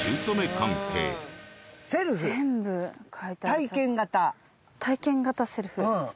「セルフ体験型」「体験型セルフ」